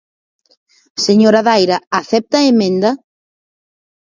¿Señora Daira, acepta a emenda?